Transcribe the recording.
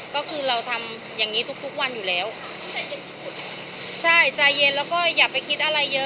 ก็คือเราทำอย่างงี้ทุกทุกวันอยู่แล้วใจเย็นที่สุดใช่ใจเย็นแล้วก็อย่าไปคิดอะไรเยอะ